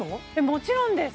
もちろんです